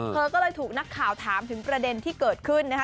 เธอก็เลยถูกนักข่าวถามถึงประเด็นที่เกิดขึ้นนะคะ